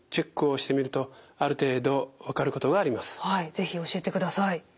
是非教えてください。